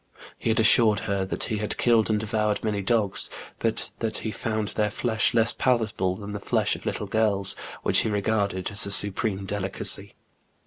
He had assured her that he had killed and devoured many dogs, but that he found their flesh less palatable than the flesh of little girls, which he regarded as a supreme delicacy.